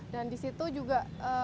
dan di situ juga